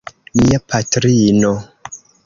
Mia patrino.